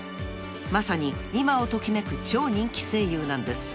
［まさに今を時めく超人気声優なんです］